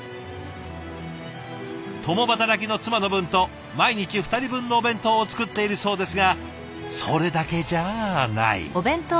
共働きの妻の分と毎日２人分のお弁当を作っているそうですがそれだけじゃない。